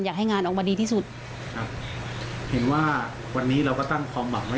อยากให้งานออกมาดีที่สุดครับเห็นว่าวันนี้เราก็ตั้งความหวังไว้